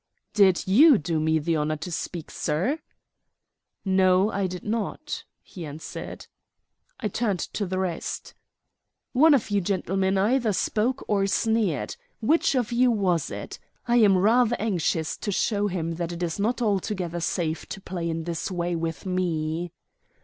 "Did you do me the honor to speak, sir?" "No, I did not," he answered. I turned to the rest. "One of you gentlemen either spoke or sneered. Which of you was it? I am rather anxious to show him that it is not altogether safe to play in this way with me."